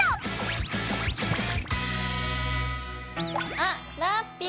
あっラッピィ！